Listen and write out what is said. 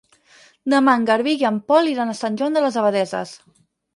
Demà en Garbí i en Pol iran a Sant Joan de les Abadesses.